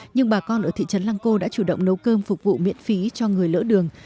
nhưng bà con ở thị trấn lăng cô đã chủ động nấu cơm phục vụ miễn phí cho người lỡ đường